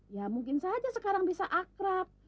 ya mungkin saja sekarang bisa akrab